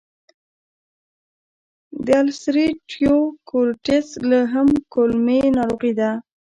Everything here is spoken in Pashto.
د السرېټیو کولیټس هم کولمې ناروغي ده.